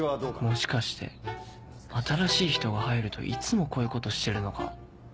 もしかして新しい人が入るといつもこういうことしてるのか？